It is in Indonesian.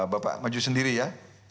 bapak maju sendiri ya